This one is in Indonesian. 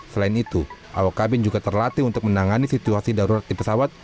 selain itu awak kabin juga terlatih untuk menangani situasi darurat di pesawat